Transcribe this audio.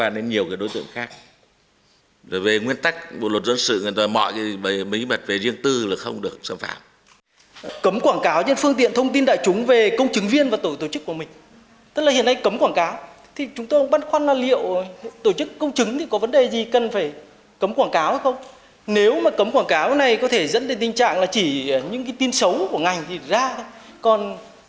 điều này có thể dẫn đến tình trạng là chỉ những tin xấu của ngành thì ra thôi còn những tin tích cực tin ứng dụng công nghệ hay tin uy tín thì có thể lại không được ra được đối với người tiếp nhận